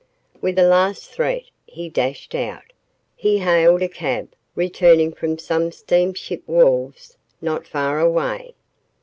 With a last threat he dashed out. He hailed a cab, returning from some steamship wharves not far away.